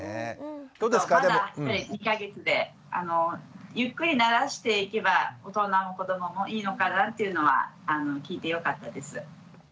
まだ２か月でゆっくり慣らしていけば大人も子どももいいのかなというのは聞いてよかったです。